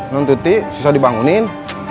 nan tuti susah dibangunin